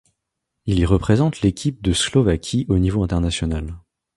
Il représente l'équipe de Slovaquie au niveau international.